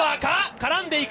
絡んでいく。